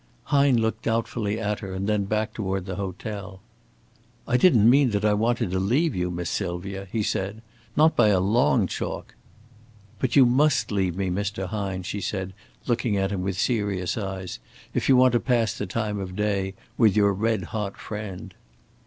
Hine looked doubtfully at her and then back toward the hotel. "I didn't mean that I wanted to leave you, Miss Sylvia," he said. "Not by a long chalk." "But you must leave me, Mr. Hine," she said, looking at him with serious eyes, "if you want to pass the time of day with your 'red hot' friend."